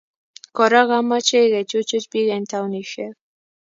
Kora komachei kechuchuch bik eng taonisiek